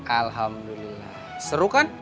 alhamdulillah seru kan